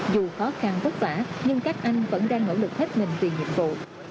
dù khó khăn vất vả nhưng các anh vẫn đang nỗ lực hết mình vì nhiệm vụ